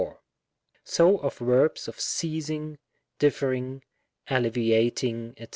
So of verbs of ceasing, differing, alleviating, &c.